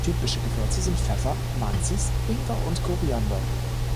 Typische Gewürze sind Pfeffer, Macis, Ingwer und Koriander.